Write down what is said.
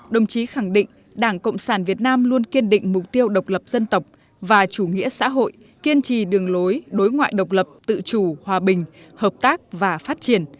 đồng chí khẳng định đảng cộng sản việt nam luôn kiên định mục tiêu độc lập dân tộc và chủ nghĩa xã hội kiên trì đường lối đối ngoại độc lập tự chủ hòa bình hợp tác và phát triển